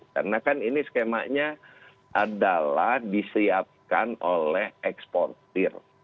karena kan ini skemanya adalah disiapkan oleh ekspor